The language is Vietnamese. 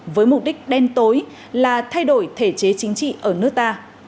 với mục đích đen tối là thay đổi thể chế chính trị ở nước ta